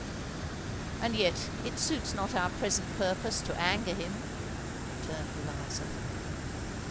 "And yet it suits not our present purpose to anger him," returned Eliza.